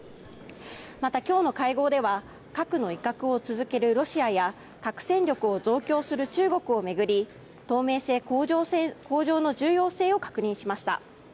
また、今日の会合では核の威嚇を続けるロシアや核戦力を増強する中国を巡り透明性向上の重要性を確認しました。